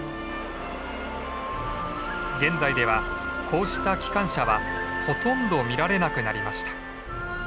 現在ではこうした機関車はほとんど見られなくなりました。